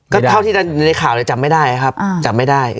ก็เท่าที่ในข่าวเลยจำไม่ได้ครับจำไม่ได้